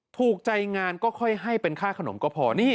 ถูกใจงานก็ค่อยให้เป็นค่าขนมก็พอนี่